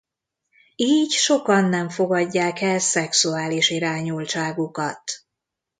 Így sokan nem fogadják el szexuális irányultságukat.